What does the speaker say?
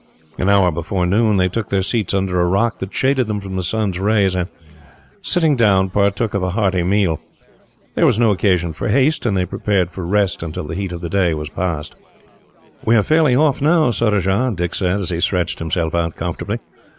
An hour before noon, they took their seats under a rock that shaded them from the sun's rays and, sitting down, partook of a hearty meal. There was no occasion for haste, and they prepared for rest until the heat of the day was passed. "We are fairly off now, Surajah," Dick said, as he stretched himself out comfortably.